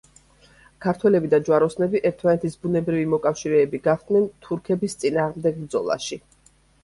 ქართველები და ჯვაროსნები ერთმანეთის ბუნებრივი მოკავშირეები გახდნენ თურქებთან წინააღმდეგ ბრძოლაში.